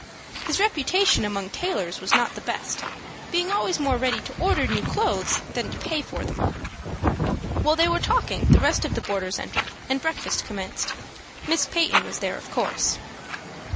His reputation among tailors was not the best, being always more ready to order new clothes than to pay for them. While they were talking the rest of the boarders entered, and breakfast commenced. Miss Peyton was there, of course.